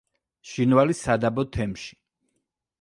ჟინვალის სადაბო თემში.